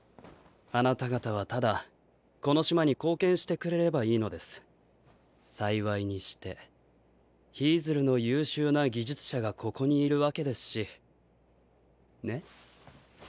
あなた方はただこの島に貢献してくれればいいのです。幸いにしてヒィズルの優秀な技術者がここにいるわけですしね。